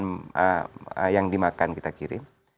yang dimakan kita kirim